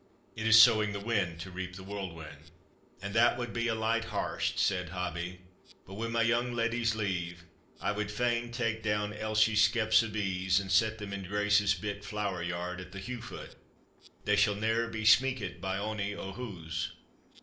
It is sowing the wind to reap the whirlwind." "And that wad be a light har'st," said Hobbie; "but, wi' my young leddie's leave, I wad fain take down Eishie's skeps o' bees, and set them in Grace's bit flower yard at the Heugh foot they shall ne'er be smeekit by ony o' huz.